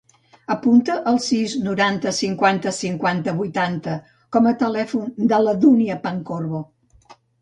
Apunta el sis, noranta, cinquanta, cinquanta, vuitanta com a telèfon de la Dúnia Pancorbo.